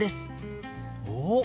おっ！